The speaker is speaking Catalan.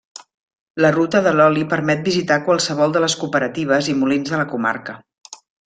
La ruta de l'oli permet visitar qualsevol de les cooperatives i molins de la comarca.